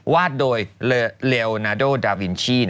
วาดโดยเลวนาโดดาวินชี่